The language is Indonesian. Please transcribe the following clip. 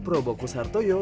terimakasih juga hemo